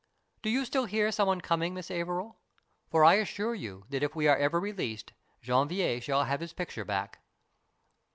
Do you still hear some one coming, Miss Averil ? For I assure you that if we are ever released Janvier shall have his picture back."